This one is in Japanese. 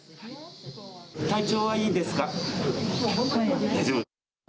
体調はいいですか。